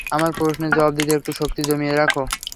আমার প্রশ্নের জবাব দিতে একটু শক্তি জমিয়ে রাখ।